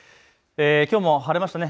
きょうも晴れましたね。